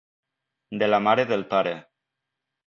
De la mare del pare.